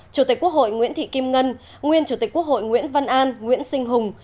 chủ tịch quốc hội nguyễn thị kim ngân nguyên chủ tịch quốc hội nguyễn văn an nguyễn sinh hùng